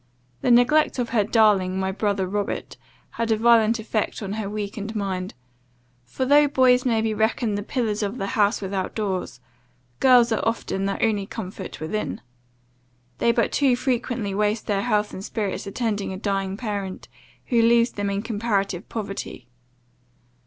The neglect of her darling, my brother Robert, had a violent effect on her weakened mind; for, though boys may be reckoned the pillars of the house without doors, girls are often the only comfort within. They but too frequently waste their health and spirits attending a dying parent, who leaves them in comparative poverty.